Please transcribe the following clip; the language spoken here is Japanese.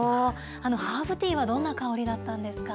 ハーブティーはどんな香りだったんですか？